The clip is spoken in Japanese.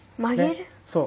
そう。